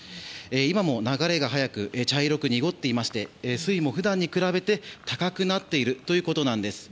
今も流れが速く茶色く濁っていまして水位も普段に比べて高くなっているということなんです。